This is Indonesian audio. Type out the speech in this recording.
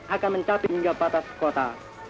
akan mencapai hingga batas kota